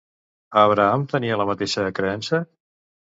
Abraham tenia la mateixa creença?